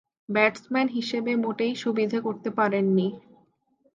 Batsman হিসেবে মোটেই সুবিধে করতে পারেননি।